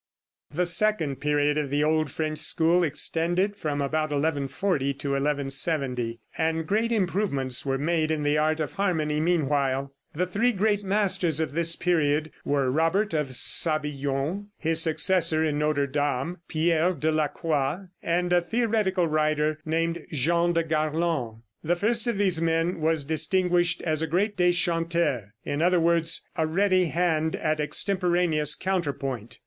The second period of the old French school extended from about 1140 to 1170, and great improvements were made in the art of harmony meanwhile. The three great masters of this period were Robert of Sabillon, his successor in Notre Dame, Pierre de la Croix, and a theoretical writer named Jean de Garland. The first of these men was distinguished as a great deschanteur, in other words, a ready hand at extemporaneous counterpoint.